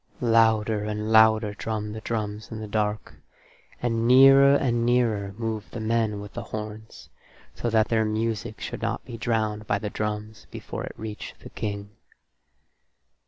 Louder and louder drummed the drums in the dark, and nearer and nearer moved the men with the horns, so that their music should not be drowned by the drums before it reached the King.